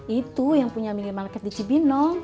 itu yang punya minimarket di cibinong